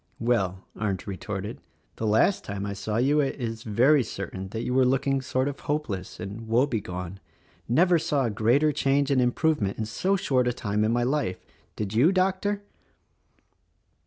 "Well," Arndt retorted, "The last time I saw you it is very certain that you were looking sort of hopeless and woebegone; — never saw a greater change and improve ment in so short a time in my life, — did you, Doctor?"